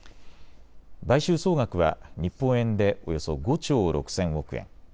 買収総額は日本円でおよそ５兆６０００億円。